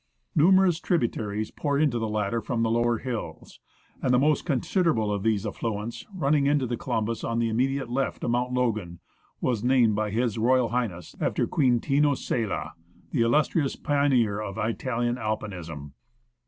Numerous tri butaries pour into the latter from the lower hills ; and the most considerable of these affluents, running into the Columbus on the immediate left of Mount Logan, was named by H.R.H. after Quintino Sella, the illustrious pioneer of Italian Alpinism.